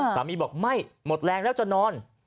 สามีบอกไม่หมดแรงแล้วจะนอน